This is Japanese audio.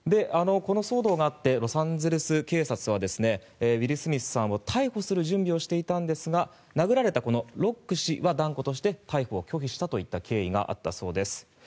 この騒動があってロサンゼルス警察はウィル・スミスさんを逮捕する準備をしていたんですが殴られたロック氏が断固として逮捕を拒否したという経緯があったそうです。